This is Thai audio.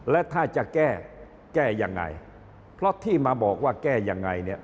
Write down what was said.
และถ้าจะแก้แก้ยังไงเพราะที่มาบอกว่าแก้ยังไงเนี่ย